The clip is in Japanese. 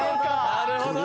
なるほどね。